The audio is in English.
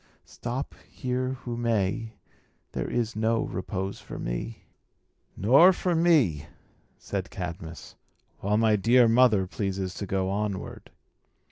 Stop here who may, there is no repose for me." "Nor for me," said Cadmus, "while my dear mother pleases to go onward."